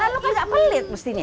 lo kan nggak pelit mestinya